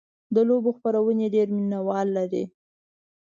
د لوبو خپرونې ډېر مینهوال لري.